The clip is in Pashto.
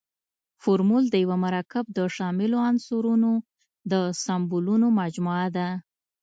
فورمول د یوه مرکب د شاملو عنصرونو د سمبولونو مجموعه ده.